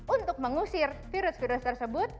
untuk mengusir virus virus tersebut